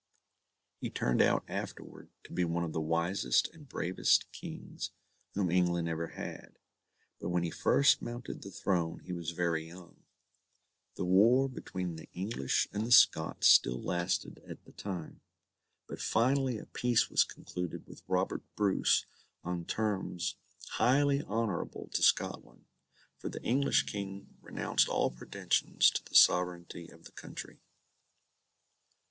He turned out afterward to be one of the wisest and bravest Kings whom England ever had; but when he first mounted the throne he was very young. The war between the English and the Scots still lasted at the time. But finally a peace was concluded with Robert Bruce, on terms highly honourable to Scotland; for the English King renounced all pretensions to the sovereignty of the country.